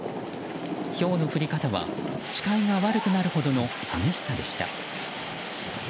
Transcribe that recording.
ひょうの降り方は視界が悪くなるほどの激しさでした。